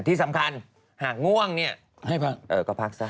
ที่สำคัญหากง่วงนี่ก็พักซะ